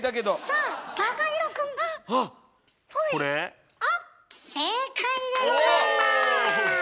あっ正解でございます。